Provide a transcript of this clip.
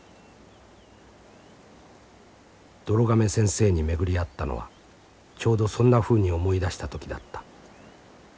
どろ亀先生に巡り会ったのはちょうどそんなふうに思いだした時だった。